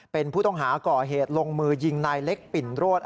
เป็นผู้ต้องหาก่อเหตุลงมือยิงนายเล็กปิ่นโรด